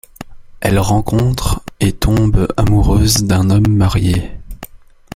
Elle rencontre et tombe amoureuse d'un homme marié.